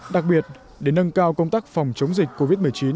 đặc biệt để nâng cao công tác phòng chống dịch covid một mươi chín